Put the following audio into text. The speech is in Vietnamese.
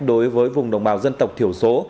đối với vùng đồng bào dân tộc thiểu số